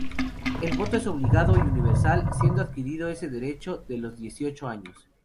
El voto es obligatorio y universal, siendo adquirido ese derecho a los dieciocho años.